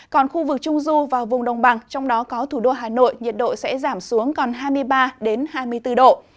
còn khu vực trung du và vùng đồng bằng trong đó có thủ đô hà nội nhiệt độ sẽ giảm xuống còn hai mươi ba hai mươi bốn độ